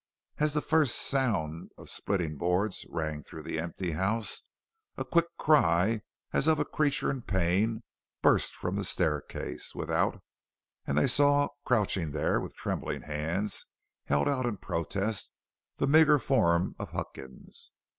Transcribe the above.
As the first sound of splitting boards rang through the empty house, a quick cry as of a creature in pain burst from the staircase without, and they saw, crouching there with trembling hands held out in protest, the meagre form of Huckins.